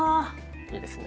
いいですね。